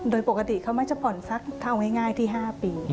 โดยปกติเขาไม่จะผ่อนสักถ้าเอาง่ายที่๕ปี